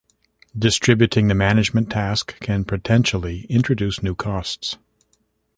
Distributing the management task can potentially introduce new costs.